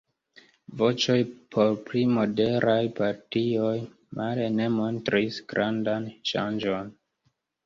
Voĉoj por pli moderaj partioj male ne montris grandan ŝanĝon.